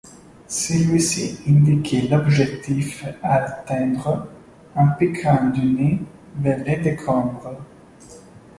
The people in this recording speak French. Celui-ci indiquait l'objectif à atteindre en piquant du nez vers les décombres.